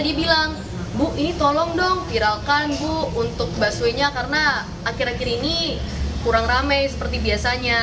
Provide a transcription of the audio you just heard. dia bilang bu ini tolong dong viralkan bu untuk busway nya karena akhir akhir ini kurang rame seperti biasanya